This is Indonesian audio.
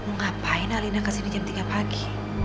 ngapain alina kesini jam tiga pagi